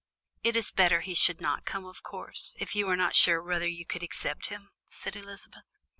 "It is better he should not come, of course, if you are not sure whether you could accept him," said Elizabeth.